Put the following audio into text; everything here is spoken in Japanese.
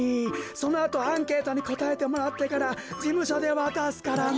そのあとアンケートにこたえてもらってからじむしょでわたすからね。